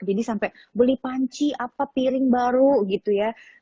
jadi sampai beli panci apa piring baru gitu ya